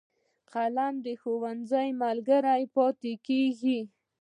قلم د ښوونځي ملګری پاتې کېږي